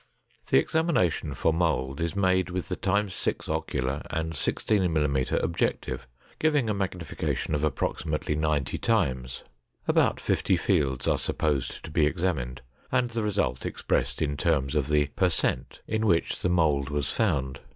The examination for mold is made with the ×6 ocular and 16 mm objective, giving a magnification of approximately 90 times. About 50 fields are supposed to be examined and the result expressed in terms of the per cent in which mold was found.